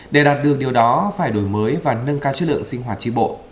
để đạt được điều đó phải đổi mới và nâng cao chất lượng sinh hoạt tri bộ